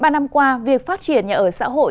ba năm qua việc phát triển nhà ở xã hội